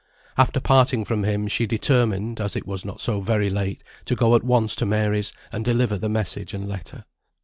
After parting from him she determined, as it was not so very late, to go at once to Mary's, and deliver the message and letter.